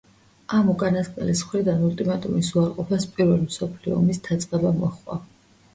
ამ უკანასკნელის მხრიდან ულტიმატუმის უარყოფას პირველი მსოფლიო ომის დაწყება მოჰყვა.